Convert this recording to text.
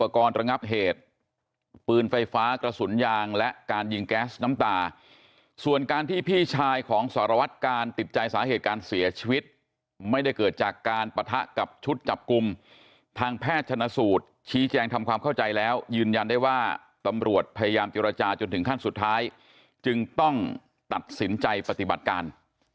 ปืนไฟฟ้ากระสุนยางและการยิงแก๊สน้ำตาส่วนการที่พี่ชายของสารวัตกาลติดใจสาเหตุการเสียชีวิตไม่ได้เกิดจากการปะทะกับชุดจับกลุ่มทางแพทย์ชนะสูตรชี้แจงทำความเข้าใจแล้วยืนยันได้ว่าตำรวจพยายามเจรจาจนถึงขั้นสุดท้ายจึงต้องตัดสินใจปฏิบัติการ